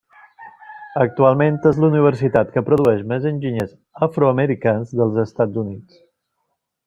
Actualment és la universitat que produeix més enginyers afroamericans dels Estats Units.